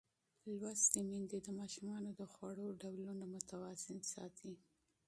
تعلیم یافته میندې د ماشومانو د خوړو ډولونه متوازن ساتي.